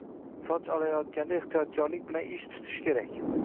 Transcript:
Soch olayotganda ehtiyotkorlik bilan ish tutish kerak.